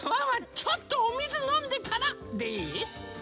ちょっとおみずのんでからでいい？